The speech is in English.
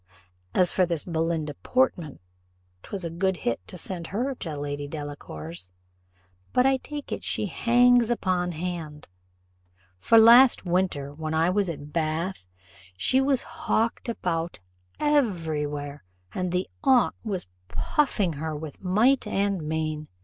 As for this Belinda Portman, 'twas a good hit to send her to Lady Delacour's; but, I take it she hangs upon hand; for last winter, when I was at Bath, she was hawked about every where, and the aunt was puffing her with might and main.